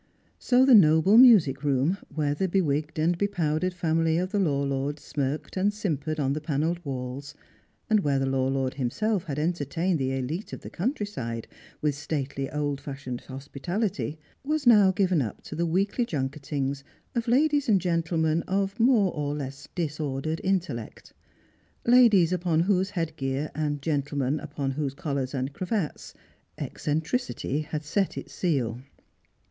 So the noble music room, where the bewigged and bepowdered family of the law lord smirked and simpered on the panelled walls, and where the law lord himself had entertained the elite of the country side with stately old fashioned hospitality, was now given up to the weekly junketings of ladies and gentlemen of more or less disordered intellect ; ladies upon whose head gear, and gentlemen upon whose collars and cravats, eccentri city had set its seal.